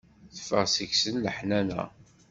Teffeɣ seg-sen leḥnana.